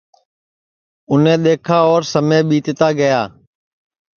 اُنے دؔیکھا اور سمے ٻیتا گیا